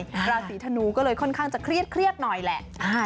ราศีธนูก็เลยค่อนข้างจะเครียดหน่อยแหละ